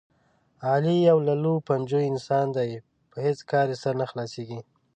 علي یو للوپنجو انسان دی، په هېڅ کار یې سر نه خلاصېږي.